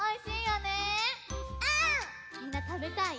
みんなたべたい？